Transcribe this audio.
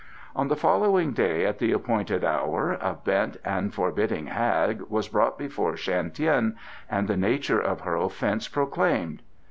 On the following day at the appointed hour a bent and forbidding hag was brought before Shan Tien, and the nature of her offence proclaimed.